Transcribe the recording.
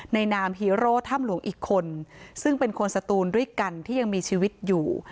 นามฮีโร่ถ้ำหลวงอีกคนซึ่งเป็นคนสตูนด้วยกันที่ยังมีชีวิตอยู่